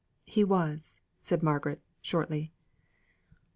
"He was," said Margaret, shortly.